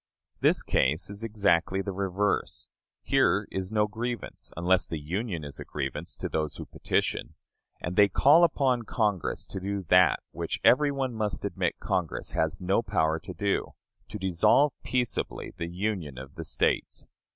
This case is exactly the reverse. Here is no grievance, unless the Union is a grievance to those who petition. And they call upon Congress to do that which every one must admit Congress has no power to do to dissolve peaceably the union of the States.